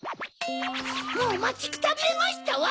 もうまちくたびれましたわ。